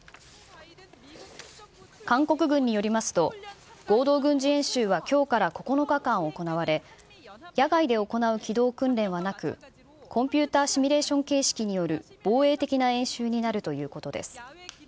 韓国軍によりますと、合同軍事演習は、きょうから９日間行われ、野外で行う機動訓練はなく、コンピューターシミュレーション形式による防衛的な演習になるということです。